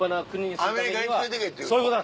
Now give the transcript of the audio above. アメリカに連れてけってこと？